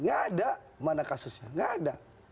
gak ada mana kasusnya